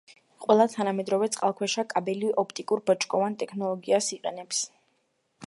ყველა თანამედროვე წყალქვეშა კაბელი ოპტიკურ-ბოჭკოვან ტექნოლოგიას იყენებს.